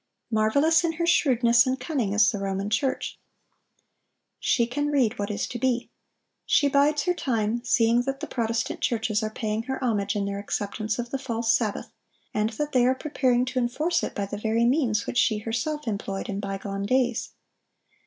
Marvelous in her shrewdness and cunning is the Roman Church. She can read what is to be. She bides her time, seeing that the Protestant churches are paying her homage in their acceptance of the false sabbath, and that they are preparing to enforce it by the very means which she herself employed in bygone days.